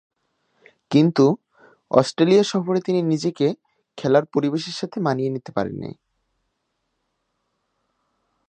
কিন্তু, অস্ট্রেলিয়া সফরে তিনি নিজেকে খেলার পরিবেশের সাথে মানিয়ে নিতে পারেননি।